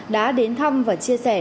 đã đến thăm và chia sẻ